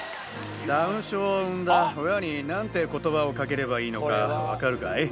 ダウン症を生んだ親になんてことばをかければいいのか分かるかい？